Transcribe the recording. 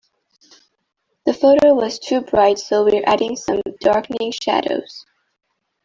The photo was too bright so we're adding some darkening shadows.